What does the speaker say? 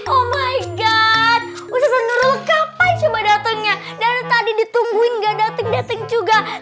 oh my god usah nurul kapan coba datangnya dan tadi ditungguin gak dateng dating juga